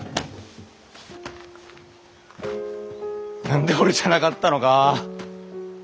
何で俺じゃなかったのか。